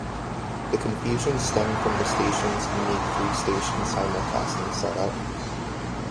The confusion stemmed from the station's unique three-station simulcasting setup.